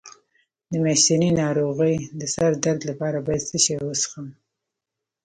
د میاشتنۍ ناروغۍ د سر درد لپاره باید څه شی وڅښم؟